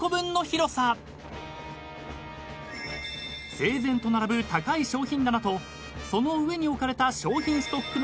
［整然と並ぶ高い商品棚とその上に置かれた商品ストックの段ボール］